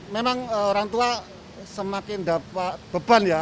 memang orang tua semakin dapat beban ya